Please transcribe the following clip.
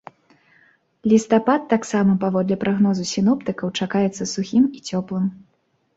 Лістапад таксама, паводле прагнозу сіноптыкаў, чакаецца сухім і цёплым.